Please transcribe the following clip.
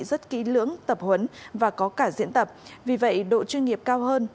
rất kỹ lưỡng tập huấn và có cả diễn tập vì vậy độ chuyên nghiệp cao hơn